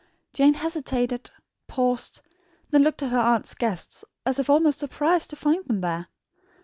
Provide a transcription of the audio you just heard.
Jane hesitated, paused, looked at her aunt's guests as if almost surprised to find them there.